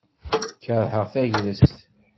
Kerheɣ tagrest.